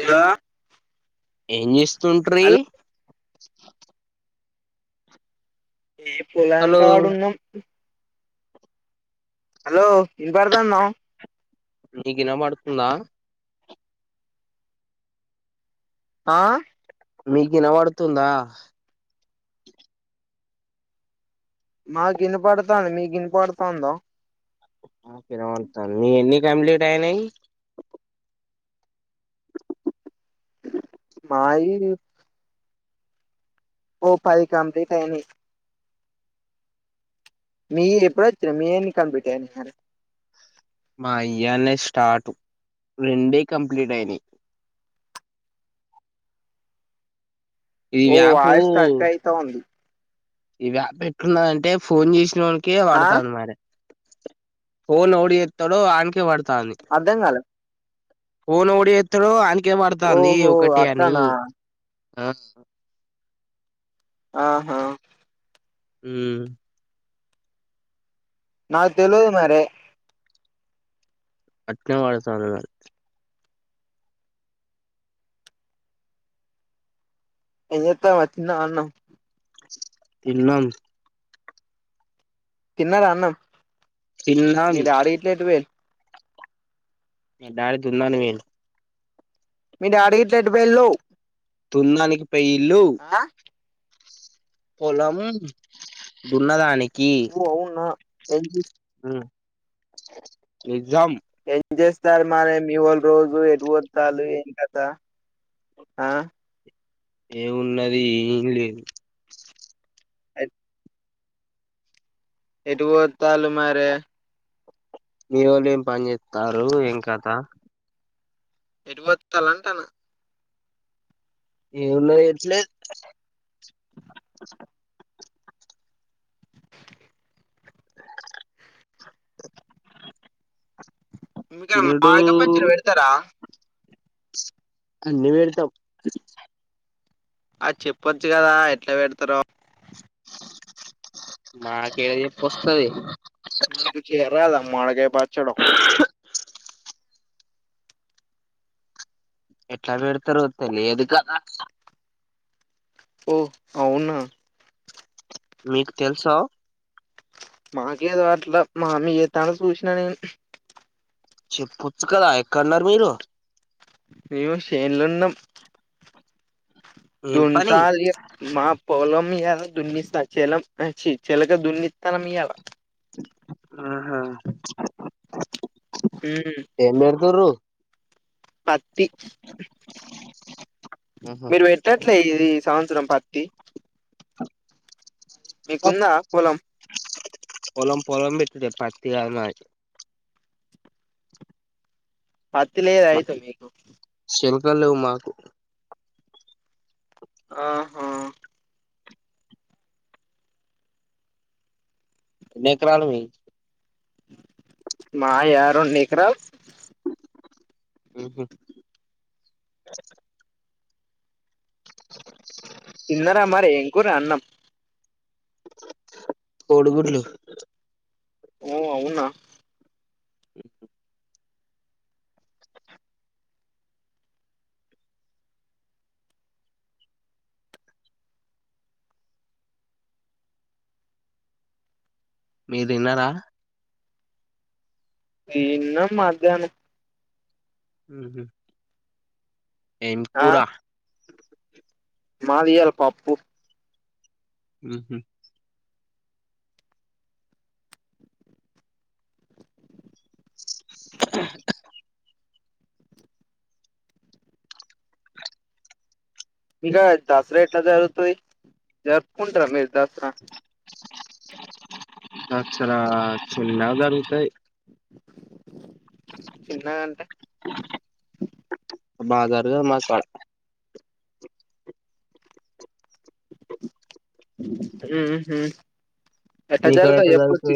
ఏలా ఏం చేస్తుంట్రీ హలో ఈ పొలం హలో కాడున్నాం హలో యుగర్తనవ్ నీకినా పడుతుందా ఆ నీగిన పడుతుందా మా గినపడుతాంది మీ గిన్న పడతాందా వినపడుతాంది మీవెన్ని కంప్లీట్ అయినాయి మాయి ఓ పది కంప్లీట్ అయినాయి మీ ఎప్పుడొచ్చిన మీ ఎన్ని కంప్లీట్ అయినాయి అరే మా ఇయ్యాల్నే స్టార్టు రెండే కంప్లీట్ అయినాయి ఈ ఓ యాపు వాయిస్ కట్ అయితా ఉంది ఇ వ్యాప్ ఎట్లునదంటే ఫోన్ చేసిన వోనికే ఆ పడతాంది మరి ఫోన్ ఎవడు చెత్తాడో అనీకే వాడతాంది అర్ధం కాలా ఫోన్ ఎవడు చేత్తడో ఆనీకే పడతంది ఓహో ఒకటి అని అట్లానా ఆ ఆహా మ్ నాకు తెలుదు మరి అట్నే బడేసాన్నే ఏం చేత్తవా తినవా అన్నాం తిన్నాం తిన్నారా అన్నం తిన్నాం మీరు ఆడి ఇట్లయితే పోయ డాడి దున్నానికి పోయిండు మీ డాడి ఇట్లేడు బెల్లో తున్నానికి పై ఇల్లు ఆ పొలం ఉన్నదండి ఓ అవునా ఎల్జ ఎగ్జామ్ ఏం చేస్తారు మరి మీ వాళ రోజు ఎటు పద్దాలు ఏం కదా ఆ ఏమున్నది ఏం లేదు అ ఎటు పోతాలు మరి మీ వాళ్ళు ఏం పని చేస్తారు ఏం కదా ఎట్టా బతకాలి అంటున్నా ఏన్న ఏట్లే ఇకా తినుడు మడకాయ పచ్చడి పెడతారా అనివేడ్తాం అ చెప్పొచ్చు కదా ఎట్లా పెడతారో మాకేడది వస్తతంది మీకు చేరదామ్ మాడకై పచ్చడం హ్ ఎట్లా పెడతారు తెలిదు కదా ఓ అవున్నా మీకు తెలుసా మాకే రావట్లే మా అమ్మ చెప్తుంటే చూస్న చెప్పొచ్చు కదా ఎక్కడన్నారు మీరు మేము శేన్లు ఉన్నాం ఏం దోన్ పని చలే మా పొలం మీయాద దున్నిస్తా చెలం చెలక దున్నిస్తాన మీయాద ఆహా హ ఏం పెడతారు పత్తి ఆహా, మీరు పెట్టట్లే ఇ సంవత్సరం పత్తి మీకుందా పొలం పొలం పొలం పెట్ పతి కాదు మరి పత్లేదు అయితే మీకు శంకాలువు లేవు మాకు ఆ ఎన్ని ఎకరాలు ఉంది మా యా రెండు ఎకరాలు ఆహా తిన్నరా మరి ఏం కూడా అన్నాం డుగుడ్లు ఓ అవునా ఇ మీరు విన్నారా ఇన్న మధ్యాహ్నం ఉ ఏం కూర మాదియాల పప్పు ఉహ ఇంకా దసరా ఎట్లా జరుగుతది జరుపుకుంటారా మీరు దసరా తచ్చడా చిన దరుగుతయి చిన్నగంటే బజారుగా మాసవాడ మీకాడ ఎట్ట అటజరుగుతాయో చెప్పొచ్చు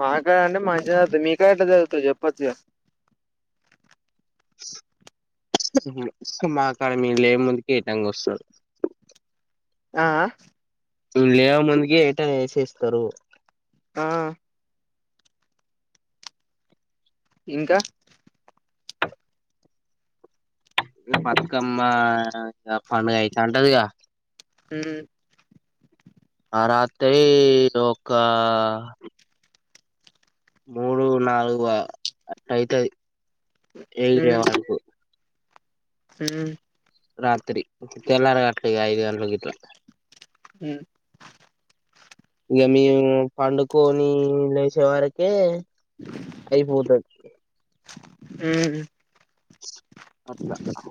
మాకాడ అంటే మంచిగా చరుగుతుంది మీకా ఎట్ చరుగుతాది చెప్పొచ్చుగా మాకాడ మీ లే ముందుకిటాంగా వస్తదొ ఆ ను లేయ ముందుకి ఏటా ఏసేస్తరు ఆ ఇంకా బతుకమ్మ పండుగ అయితాంటదిగా అ ఆ రాత్రై దోక మూడు నాలుగు అట్లైతది ఏగి ఉమ్ వరకు ఉమ్ రాత్రి తెల్లారే గట్ల ఇగ ఐదు గంట్లకు గిట్లా ఉమ్ ఇగ మేము పండుకోని లేచే వరకే అయిపోతది ఉమ్ అట్లా అ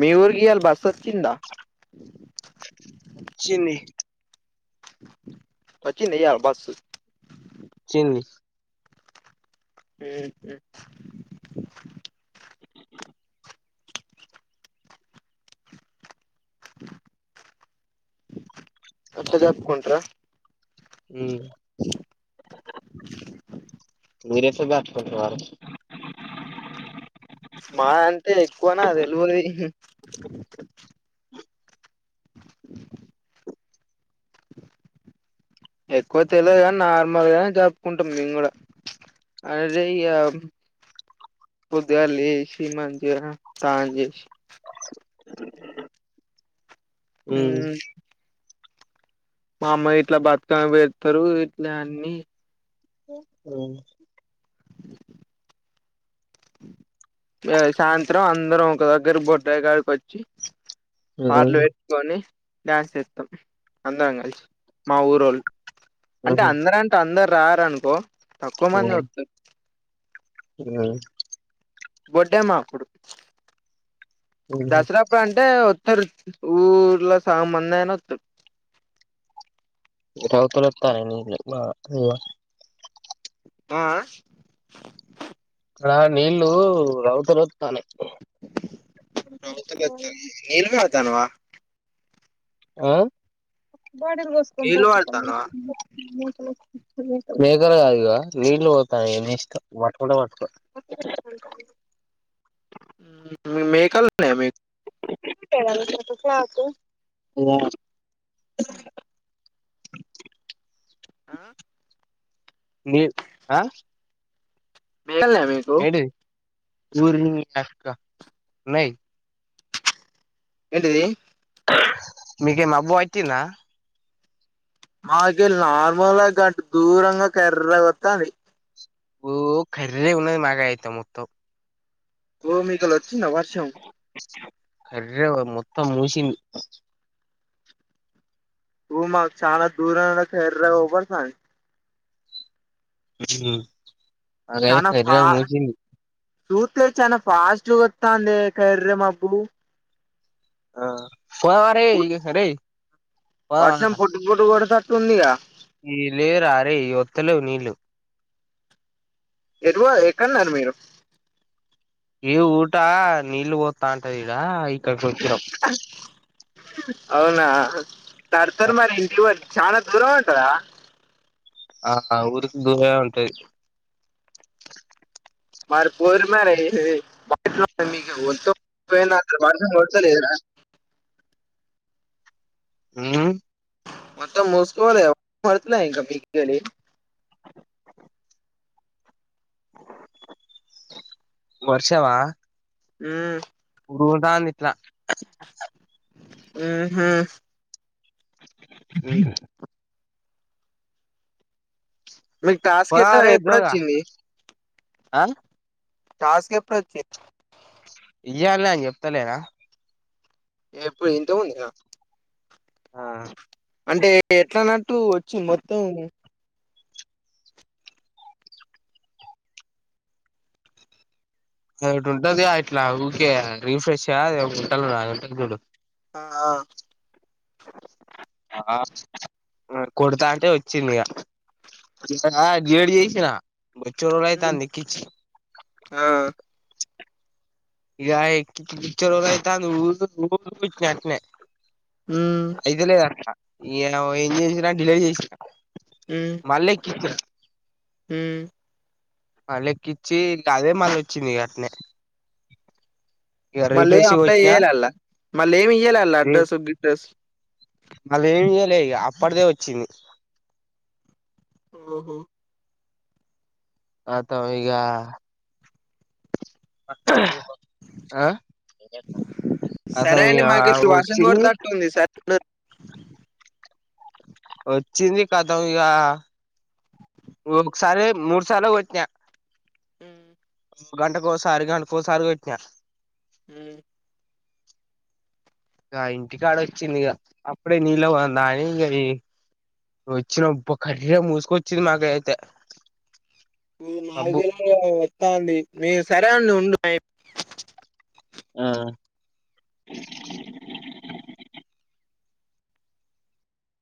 మీ ఊర్కి ఈయల్ బసొచ్చిందా చిన్నీ వచ్చిందియాల్ బస్సు చింది ఉమ్ అట్ల జరుపుకుంట్రా ఉమ్ దూరే స [unintelligible] వారు మా అంటే ఎక్కువనా తెలివది ఎక్కువ తెలిదు కాని నార్మల్ గానే జరుపుకుంటాం మేము కూడా ఆడ చేయ్యా పొద్దుగాల లేచి మంచిగా తానం చేసి ఉమ్ మా అమ్మా గిట్లా బత్తా బెత్తరు ఇట్లా అన్ని అ సాయంత్రం అందరం ఒక దగ్గర బొడ్రాయి కాడికి వచ్చి పాట్లు పెట్టుకొని డ్యాన్స్ ఇస్తాం అందరం కలిసి మా ఊరోళ్ళు అంటే ఉమ్ అందర అంటే అందరు రారనుకో తక్కువ మంది వస్త బొడ్డే మాపుడు దసరా అప్పుడు అంటే వత్తరు ఊర్లో సాం మందైన ఒత్తరు. రవుతులు ఒత్తానాయి నీల్లు మా [unintelligible] ఆ ఆ అక్కడ నీళ్ళు రౌతులొత్తానై రౌతులొత్తనయా నీల్ కాగుతానవా ఆ నీళ్ళు వాడుతానవా బేగరగా ఇగ నీళ్లు పోతాన్నాయి నీ ఇష్ట వట్టుకుంటే వట్టుకో మె మేకల్ ఉన్నయ మీక్ [unintelligible] నాకు ఆ లేదు ఆ [unintelligible] మీ ఏడి [unintelligible] అక్క నై ఏంటిది మీకి మబ్బు వట్టిందా మాకేళ్ళి నార్మల్ గటు దూరంగా కర్రె గొత్తాది ఓ కర్రె గున్నాది మాకయితే మొత్తం ఓ మీకెళ్ళి ఒచ్చింద వర్షం కర్రె గా మొత్తం మూషింది ఓ మాకు చానా దూరానా కర్రె గా ఒవపడతా ఉమ్ చానా ఫా చూత్తే చానా ఫాస్ట్ గొత్తాందే కర్రె మబ్బులు ఆ వర్షం పోదామా పుటుకు పుటుకు కొడతట్టుందిగా ఈ లేరా అరేయి ఒత్తలేవు నీల్లు ఎటు పోయారు ఎక్కన్నారు మీరు ఈ ఊటా నీల్లు పోత్తాంటే ఈడా ఇ అవునా తర్తర్ మరి ఇంటి పోరి చాలా దూరం ఉంటదా ఆహా ఊరుకి దూరే ఉంటది మరి పోరు మరి [unintelligible] వర్షం కొడతలేదా ఉమ్ మొత్తం మూస్కోవలే [unintelligible] ఇంకా [unintelligible] వర్షవా ఉమ్ గురుగుతాందిట్లా ఊహు ఉమ్ మీకు టాస్క్ పోదాం ఎట్టా రే జోగా ఎప్పుడొచ్చింది ఆ టాస్క్ ఎప్పుడొచ్చి ఇయ్యాల్నే అని చెప్తలేనా ఏప్పుడు ఇంతముందిగ ఆ అంటే ఎట్లనట్టు వచ్చి మొత్తం అది ఒకటి ఉంటదిగ ఇట్ల ఊకే రిఫ్రెష్ ఆ అది ఒకటి ఉంటదిగా ఆ కొడతా అంటే వచ్చింది ఇగ ఆ గేట్ తీసిన బొచ్చడు ఉమ్, రోజులైతాంది ఎక్కించి ఆ ఇగ ఎక్కి బొచ్చడు రోజులయితాంది ఊకే [unintelligible] వెంటనే మ్మ్ అయితలేదటనా ఇగ ఏం చేసిర డిలీట్ చేసినా ఉమ్ మల్లెక్కిచ్చినా ఉమ్ లెక్కిచ్చి అదే మళ్ళ అచ్చింది అట్నే ఇగ మళ్లి రీఫ్రెష్గా అప్లై కొట్టినా చేయలే అల్లా, మళ్ళీ ఏమి ఇయ్యాలే అల్లా అడ్రస్, గిడ్రస్ మళ్ళ ఏం చెయ్యాలే ఇగ అప్పటిదే వచ్చింది. ఓహో అతవ ఇగ ఆ అతం సరే ఇగ అండి మాకు ఇప్పుడు వర్షం వచ్చింది కొట్టేతట్టుంది సరేనా వచ్చింది ఖతం ఇగ ఒకసారే మూడు సార్ల కొట్టిన గంట కోసారి కేమో కోసారి కొట్టిన ఉమ్ ఇగ ఇంటికాడ వచ్చింది ఇగ, అప్పుడే నీళ్ళ కొంచం తాగి ఇగ వచ్చినం ఒప్పో కర్రీ మూసుకచ్చింది మాకై అయితే నాలుగేళ్లలో వస్తా అంది మే, సరే అండి ఉండు ఆ